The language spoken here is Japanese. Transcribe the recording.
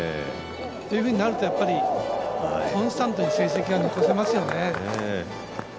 というふうになるとコンスタントに成績は残せますよね。